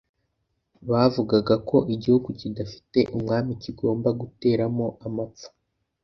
bavugaga ko igihugu kidafite umwami kigomba guteramo amapfa.